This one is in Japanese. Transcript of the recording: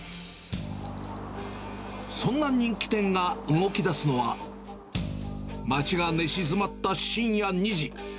そんな人気店が動きだすのは、街が寝静まった深夜２時。